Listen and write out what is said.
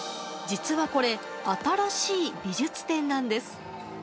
実はこれ、新しい美術展なんです。